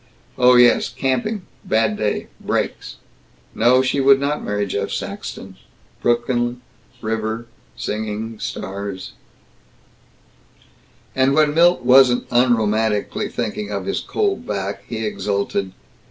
oh, yes, camping bad day brakes No, she would not marry Jeff Saxton! Brooklyn river singing stars And when Milt wasn't unromantically thinking of his cold back, he exulted.